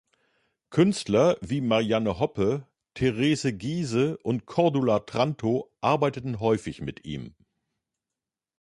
Künstler wie Marianne Hoppe, Therese Giehse und Cordula Trantow arbeiteten häufig mit ihm.